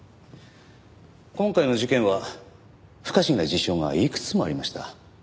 今回の事件は不可思議な事象がいくつもありました。